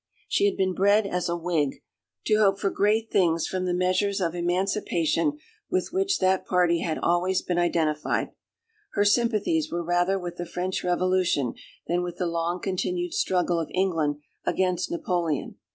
She had been bred as a Whig, to hope for great things from the measures of emancipation with which that party had always been identified. Her sympathies were rather with the French Revolution than with the long continued struggle of England against Napoleon.